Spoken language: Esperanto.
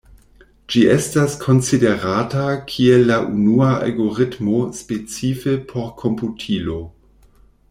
Ĝi estas konsiderata kiel la unua algoritmo specife por komputilo.